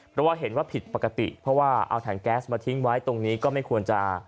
เพราะว่าเห็นว่าผิดปกติเพราะว่าเอาถังแก๊สมาทิ้งไว้ตรงนี้ก็ไม่ควรจะ